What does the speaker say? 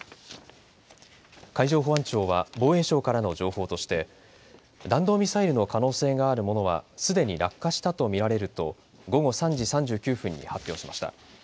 海上保安庁は防衛省からの情報として弾道ミサイルの可能性があるものはすでに落下したと見られると午後３時３９分に発表しました。